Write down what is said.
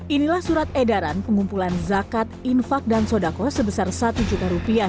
inilah surat edaran pengumpulan zakat infak dan sodako sebesar satu juta rupiah